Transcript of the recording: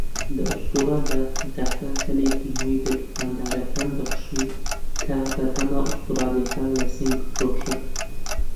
لە ئوستراڵیا، پەتاکە هەلێکی نوێی بە دوکاندارەکان بەخشی تا بەرهەمە ئوستڕاڵیەکان لە سین بفرۆشتن.